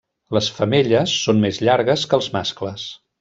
Les femelles són més llargues que els mascles.